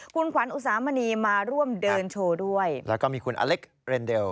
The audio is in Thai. คุณขวัญอุสามณีมาร่วมเดินโชว์ด้วยแล้วก็มีคุณอเล็กเรนเดล